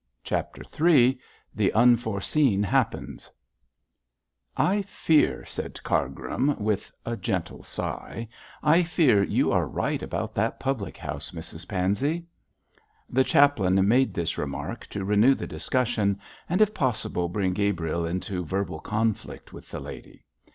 CHAPTER III THE UNFORESEEN HAPPENS 'I fear,' said Cargrim, with a gentle sigh, 'I fear you are right about that public house, Mrs Pansey.' The chaplain made this remark to renew the discussion, and if possible bring Gabriel into verbal conflict with the lady.